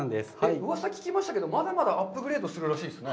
うわさを聞きましたけど、まだまだアップグレードするらしいですね。